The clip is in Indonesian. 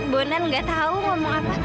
bonan gak tahu ngomong apa